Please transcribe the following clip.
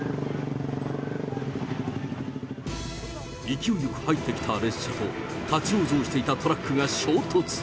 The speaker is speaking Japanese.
勢いよく入ってきた列車と立往生していたトラックが衝突。